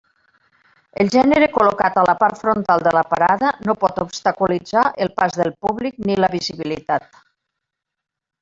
El gènere col·locat a la part frontal de la parada no pot obstaculitzar el pas del públic ni la visibilitat.